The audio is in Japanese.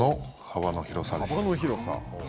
幅の広さ。